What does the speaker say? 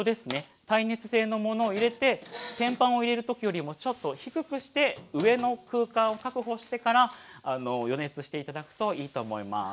耐熱製のものを入れて天板を入れる時よりもちょっと低くして上の空間を確保してから予熱して頂くといいと思います。